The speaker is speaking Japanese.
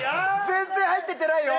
全然入っていってないよ。